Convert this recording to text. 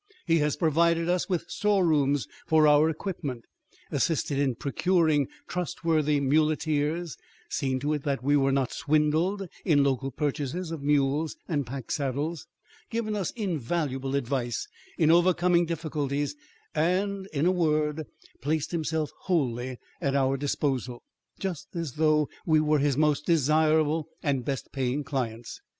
He has provided us with storerooms for our equipment, assisted us in procuring trustworthy muleteers, seen to it that we were not swindled in local purchases of mules and pack saddles, given us invaluable advice in overcoming difficulties, and, in a word, placed himself wholly at our disposal, just as though we were his most desirable and best paying clients.